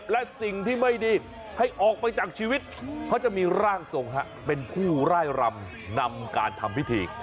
และสิ่งที่ไม่ดีให้ออกไปจากชีวิตเขาจะมีร่างทรงเป็นผู้ร่ายรำนำการทำพิธี